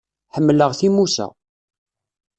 Ḥemmleɣ timusa.